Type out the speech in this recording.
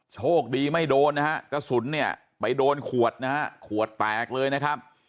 โชคดีไม่โดนนะฮะกระสุนเนี่ยไปโดนขวดนะฮะขวดแตกเลยนะครับ